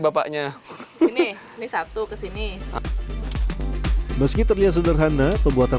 ganti aduh ampun